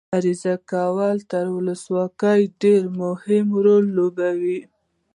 عریضه کول تر ولسواکۍ ډېر مهم رول ولوباوه.